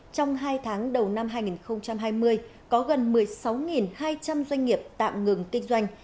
trong hai tháng đầu năm hai nghìn hai mươi có gần một mươi sáu hai trăm linh doanh nghiệp tạm ngừng kinh doanh